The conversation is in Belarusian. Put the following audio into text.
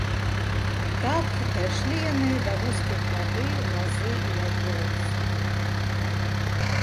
Так дайшлі яны да вузкай грады лазы і ядлоўцу.